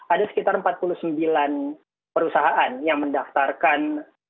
ada sekitar empat puluh sembilan perusahaan yang mendaftarkan